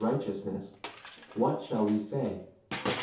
righteousness, what shall we say